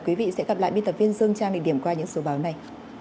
quý vị sẽ gặp lại biên tập viên dương trang để điểm qua những số báo này